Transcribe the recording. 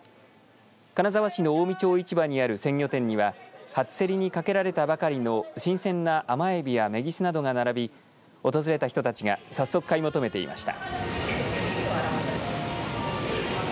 金沢市の近江町市場にある鮮魚店には初競りにかけれたばかりの新鮮な甘エビやメギスなどが並び訪れた人たちが早速買い求めていました。